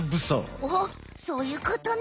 おおそういうことね。